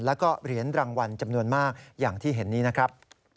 แล้วก็เหรียญรางวัลจำนวนมากอย่างที่เห็นนี้นะครับ